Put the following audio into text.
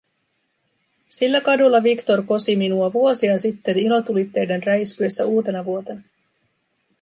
Sillä kadulla Victor kosi minua vuosia sitten ilotulitteiden räiskyessä uutenavuotena.